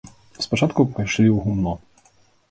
Спачатку пайшлі ў гумно.